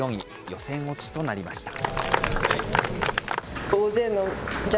予選落ちとなりました。